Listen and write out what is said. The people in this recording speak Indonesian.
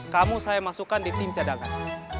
kamu saya masukkan di tim cadangan